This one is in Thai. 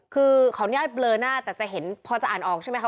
คือขออนุญาตเบลอหน้าแต่จะเห็นพอจะอ่านออกใช่ไหมคะ